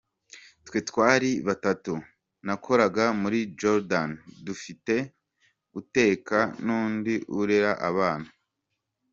Twe twari batatu nakoraga muri jardin, dufite uteka n’undi urera abana”.